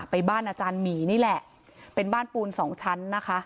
บ้านอาจารย์หมีนี่แหละเป็นบ้านปูนสองชั้นนะคะ